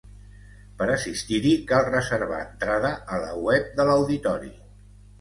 Per assistir-hi cal reservar entrada a la web de l’auditori.